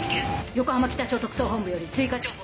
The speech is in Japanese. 横浜北署特捜本部より追加情報